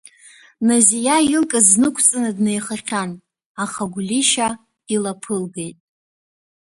Назиа илкыз нықәҵаны днеихахьан, аха Гәлишьа илаԥылгеит.